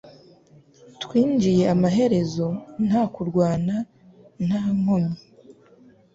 Twinjiye amaherezo nta kurwana nta nkomyi